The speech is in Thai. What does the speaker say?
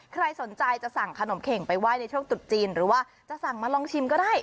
ใครสนใจจะสั่งขนมเข่งไปไห้ในช่วงตุดจีนหรือว่าจะสั่งมาลองชิมก็ได้